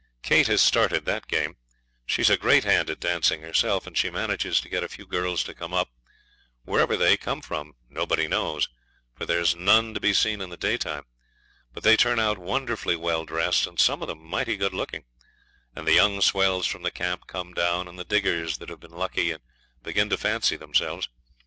Kate has started that game. She's a great hand at dancing herself, and she manages to get a few girls to come up; wherever they come from nobody knows, for there's none to be seen in the daytime. But they turn out wonderfully well dressed, and some of them mighty good looking; and the young swells from the camp come down, and the diggers that have been lucky and begin to fancy themselves.